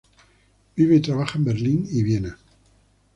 Vive y trabaja en Berlín y Viena.